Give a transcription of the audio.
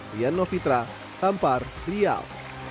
rian novitra kampar riau